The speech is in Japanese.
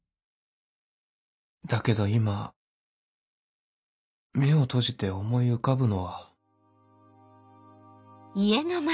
だけど今目を閉じて思い浮かぶのは